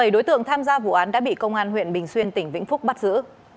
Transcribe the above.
bảy đối tượng tham gia vụ án đã bị công an huyện bình xuyên tỉnh vĩnh phúc bắt giữ